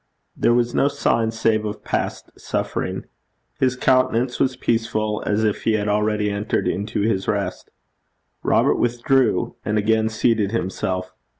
There was no sign save of past suffering: his countenance was peaceful as if he had already entered into his rest. Robert withdrew, and again seated himself.